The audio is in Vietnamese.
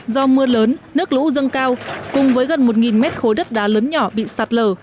do mưa lớn nước lũ dâng cao cùng với gần một mét khối đất đá lớn nhỏ bị sạt lở